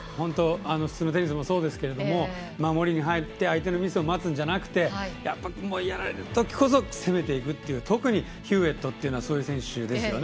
普通のテニスもそうですけど守りに入って相手のミスを待つんじゃなくてやられるときこそ攻めていくっていう特にヒューウェットというのはそういう選手ですよね。